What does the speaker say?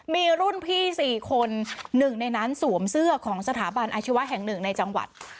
มีรุ่นพี่๔คนหนึ่งในนั้นสวมเสื้อของสถาบันอาชีวะแห่งหนึ่งในจังหวัด